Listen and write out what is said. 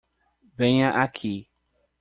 Venha aqui